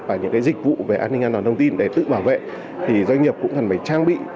và những dịch vụ về an ninh an toàn thông tin để tự bảo vệ thì doanh nghiệp cũng cần phải trang bị